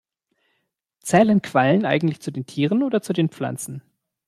Zählen Quallen eigentlich zu den Tieren oder zu den Pflanzen?